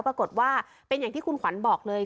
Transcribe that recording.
ปรากฏว่าเป็นอย่างที่คุณขวัญบอกเลย